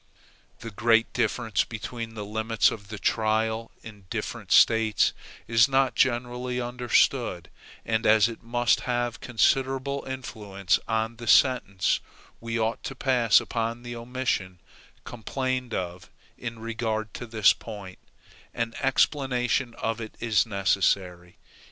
The great difference between the limits of the jury trial in different States is not generally understood; and as it must have considerable influence on the sentence we ought to pass upon the omission complained of in regard to this point, an explanation of it is necessary.